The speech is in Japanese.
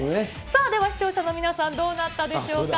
では視聴者の皆さん、どうなったでしょうか？